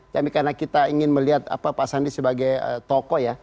tapi karena kita ingin melihat pak sandi sebagai tokoh ya